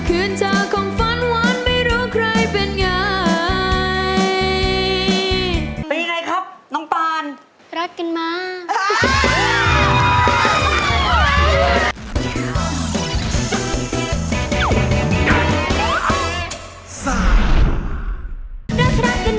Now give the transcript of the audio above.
ไปไงครับน้องปัน